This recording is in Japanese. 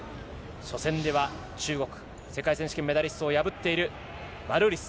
初戦では中国、世界選手権メダリストを破っているマルーリス。